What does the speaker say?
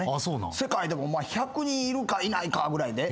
世界でも１００人いるかいないかぐらいで。